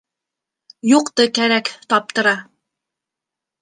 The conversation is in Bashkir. Юҡты кәрәк таптыра.